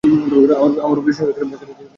আমার উপর বিশ্বাস রাখো, শ্চিন্তার কিছু নেই।